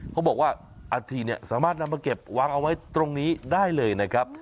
เขาบอกว่าอาทิตเนี่ยสามารถนำมาเก็บวางเอาไว้ตรงนี้ได้เลยนะครับ